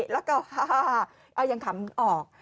แล้วก็๕เอายังขำออก